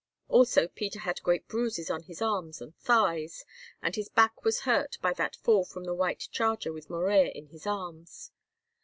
Also Peter had great bruises on his arms and thighs, and his back was hurt by that fall from the white charger with Morella in his arms.